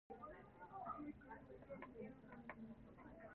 落樓梯嗰陣